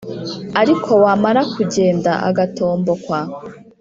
ariko wamara kugenda, agatombokwa